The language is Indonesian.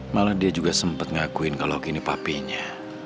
malah dia juga sempet ngakuin kalau aku ini papinya